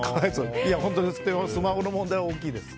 スマホの問題は大きいです。